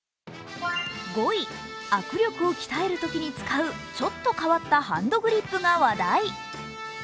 ５位、握力を鍛えるときに使うちょっと変わったハンドグリップが話題。